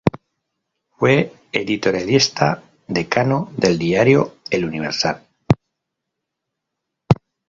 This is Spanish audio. Fue editorialista decano del diario "El Universal".